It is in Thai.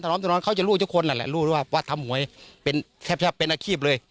ถ้าน้องน้องเขาจะรู้ทุกคนแหละรู้หรือว่าว่าทำหวยเป็นแค่แค่เป็นอาคีบเลย